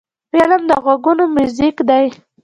فلم د غوږونو میوزیک دی